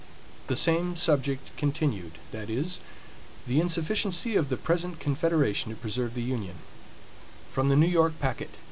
20 The Same Subject Continued (The Insufficiency of the Present Confederation to Preserve the Union) From the New York Packet.